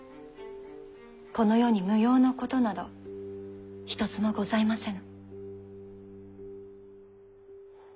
この世に無用のことなど一つもございませぬ。